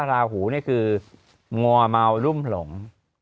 ราหูนี่คืองอเมารุ่มหลง